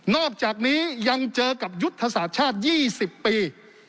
อกจากนี้ยังเจอกับยุทธศาสตร์ชาติ๒๐ปี